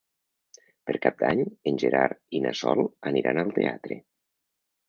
Per Cap d'Any en Gerard i na Sol aniran al teatre.